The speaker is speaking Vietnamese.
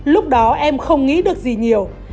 lúc đó em không nghĩ được gì nhiều